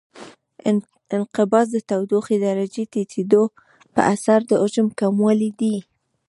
انقباض د تودوخې درجې د ټیټېدو په اثر د حجم کموالی دی.